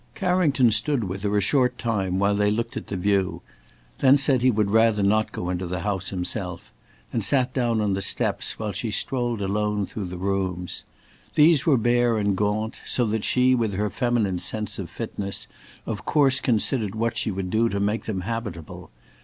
Carrington stood with her a short time while they looked at the view; then said he would rather not go into the house himself, and sat down on the steps while she strolled alone through the rooms. These were bare and gaunt, so that she, with her feminine sense of fitness, of course considered what she would do to make them habitable.